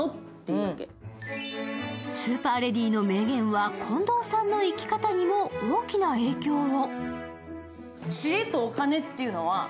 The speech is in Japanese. スーパーレディーの名言は近藤さんの生き方にも大きな影響を。